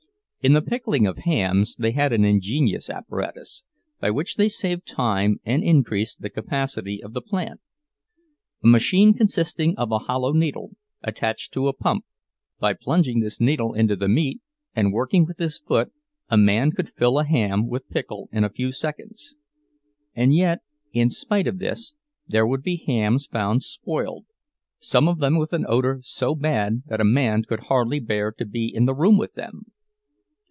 In the pickling of hams they had an ingenious apparatus, by which they saved time and increased the capacity of the plant—a machine consisting of a hollow needle attached to a pump; by plunging this needle into the meat and working with his foot, a man could fill a ham with pickle in a few seconds. And yet, in spite of this, there would be hams found spoiled, some of them with an odor so bad that a man could hardly bear to be in the room with them.